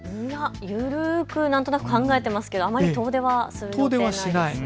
緩く何となく考えていますがあまり遠出する予定はないです。